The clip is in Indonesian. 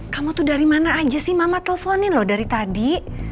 kamu tuh dari mana aja sih mama teleponin loh dari tadi